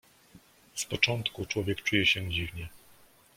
"Z początku człowiek czuje się dziwnie."